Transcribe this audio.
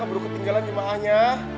keburu ketinggalan jumlahnya